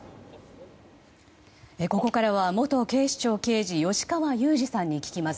ここからは元警視庁刑事吉川祐二さんに聞きます。